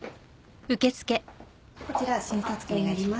こちら診察券になります。